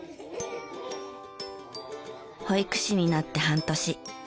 保育士になって半年。